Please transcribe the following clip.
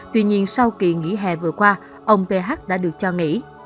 tuy nhiên sau kỳ nghỉ hè vừa qua ông ph đã được cho nghỉ